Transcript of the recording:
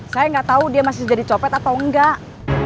saya gak tau dia masih jadi copet atau enggak